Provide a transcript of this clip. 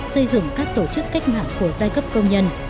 xây dựng các tổ chức cách mạng của giai cấp công nhân